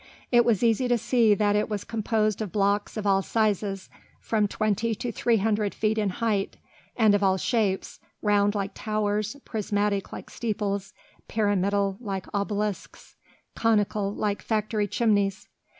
It was easy to see that it was composed of blocks of all sizes, from twenty to three hundred feet in height, and of all shapes, round like towers, prismatic like steeples, pyramidal like obelisks, conical like factory chimneys.